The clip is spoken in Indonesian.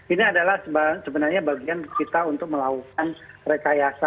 ini adalah sebenarnya bagian kita untuk melakukan rekayasa